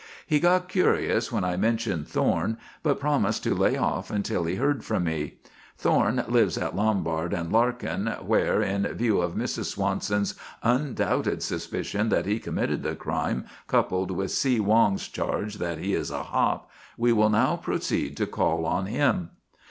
"He got curious when I mentioned Thorne, but promised to lay off until he heard from me. Thorne lives at Lombard and Larkin, where, in view of Mrs. Swanson's undoubted suspicion that he committed the crime, coupled with See Wong's charge that he is a 'hop,' we will now proceed to call on him."